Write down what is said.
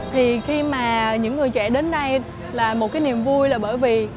thì khi mà những người trẻ đến đây là một cái niềm vui là bởi vì